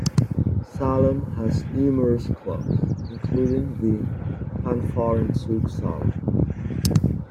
Salem has numerous clubs, including the Fanfarenzug Salem.